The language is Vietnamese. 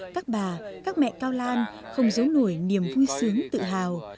các bà các mẹ cao lan không giấu nổi niềm vui sướng tự hào